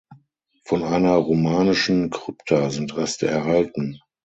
Von einer romanischen Krypta sind Reste erhalten.